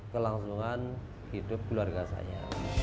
kelangsungan hidup keluarga saya